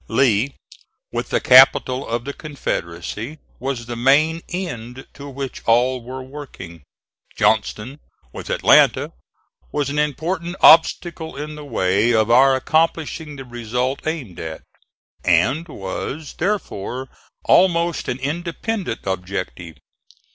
Lee, with the capital of the Confederacy, was the main end to which all were working. Johnston, with Atlanta, was an important obstacle in the way of our accomplishing the result aimed at, and was therefore almost an independent objective.